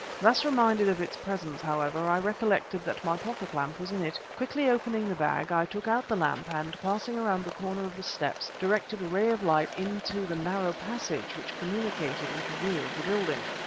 Thus reminded of its presence, however, I recollected that my pocket lamp was in it. Quickly opening the bag, I took out the lamp, and, passing around the corner of the steps, directed a ray of light into the narrow passage which communicated with the rear of the building.